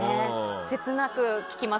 切なく聴きます。